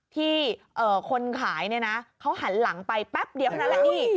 ที่คนขายเขาหันหลังไปแป๊บเดียวนั้นแหละนี่